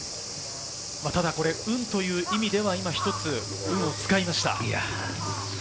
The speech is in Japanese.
ただこれ、運という意味では一つ運を使いました。